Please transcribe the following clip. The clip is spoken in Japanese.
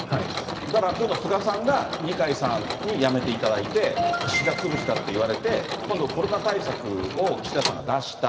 だから今度、菅さんが二階さんに辞めていただいて、岸田潰しだって言われて、今度、コロナ対策を岸田さんが出した。